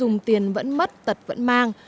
tiêu dùng tiền vẫn mất tật vẫn mang